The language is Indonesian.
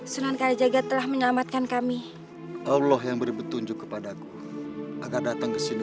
sunan kalejaga telah menyelamatkan kami allah yang beri petunjuk kepadaku akan datang kesini